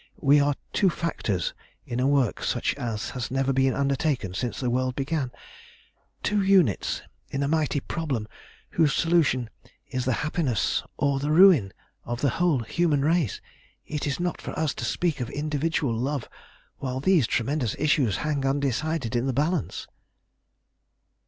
We are two factors in a work such as has never been undertaken since the world began; two units in a mighty problem whose solution is the happiness or the ruin of the whole human race. It is not for us to speak of individual love while these tremendous issues hang undecided in the balance.